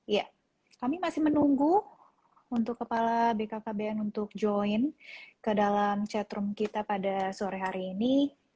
ya kami masih menunggu untuk kepala bkkbn untuk join ke dalam chatroom kita pada sore hari ini